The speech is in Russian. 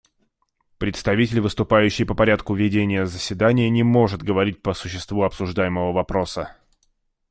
Представитель, выступающий по порядку ведения заседания, не может говорить по существу обсуждаемого вопроса.